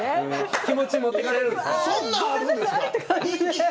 気持ち持ってかれるんすね。